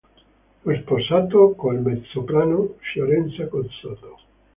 Fu sposato col mezzosoprano Fiorenza Cossotto.